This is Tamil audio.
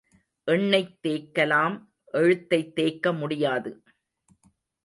எண்ணெயைத் தேய்க்கலாம் எழுத்தைத் தேய்க்க முடியாது.